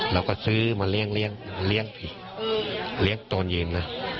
เราก็ซื้อมาเลี้ยงเลี้ยงเลี้ยงผีเลี้ยงตอนเย็นนะ